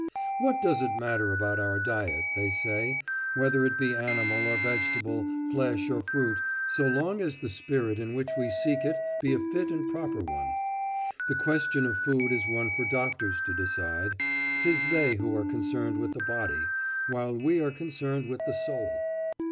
"What does it matter about our diet," they say, "whether it be animal or vegetable, flesh or fruit, so long as the spirit in which we seek it be a fit and proper one? The question of food is one for doctors to decide; 'tis they who are concerned with the body, while we are concerned with the soul."